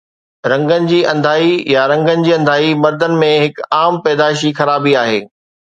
رنگ جي انڌائي يا رنگ جي انڌائي مردن ۾ هڪ عام پيدائشي خرابي آهي